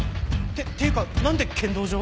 てていうか何で剣道場？